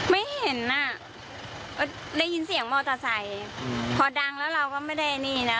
ไม่เห็นอ่ะก็ได้ยินเสียงมอเตอร์ไซค์พอดังแล้วเราก็ไม่ได้นี่นะ